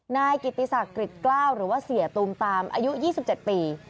นายกิตติสักกลิดกล้าวหรือว่าเสียตูมตามอายุยี่สิบเจ็ดปี